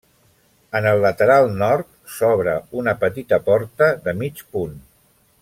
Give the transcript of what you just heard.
En el lateral nord s'obre una petita porta de mig punt.